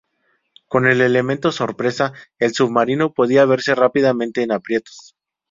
Con el elemento sorpresa, el submarino podía verse rápidamente en aprietos.